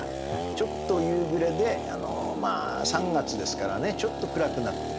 ちょっと夕暮れでまあ３月ですからねちょっと暗くなってる。